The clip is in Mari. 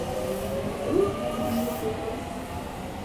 Трук нимо шот ок лек?